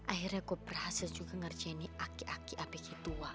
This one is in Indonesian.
akhirnya aku berhasil juga ngerjain nih aki aki apik itu wak